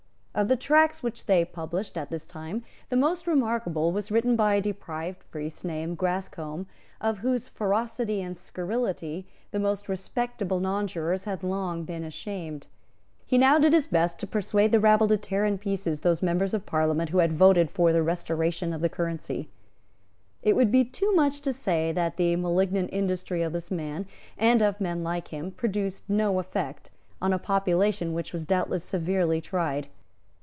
Of the tracts which they published at this time, the most remarkable was written by a deprived priest named Grascombe, of whose ferocity and scurrility the most respectable nonjurors had long been ashamed. He now did his best to persuade the rabble to tear in pieces those members of Parliament who had voted for the restoration of the currency. It would be too much to say that the malignant industry of this man and of men like him produced no effect on a population which was doubtless severely tried.